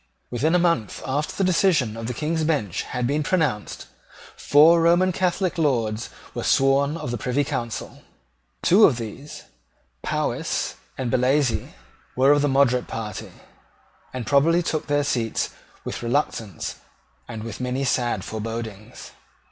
Within a month after the decision of the King's Bench had been pronounced, four Roman Catholic Lords were sworn of the Privy Council. Two of these, Powis and Bellasyse, were of the moderate party, and probably took their seats with reluctance and with many sad forebodings.